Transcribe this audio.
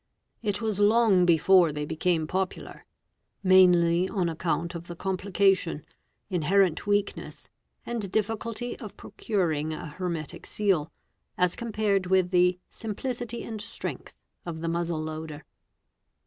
It was long before they became popular, mainly on account of the complication, inherent weakness, and difficulty of procuring a hermetic seal, as compared with the " simplicity and strength' of the muzzle loader.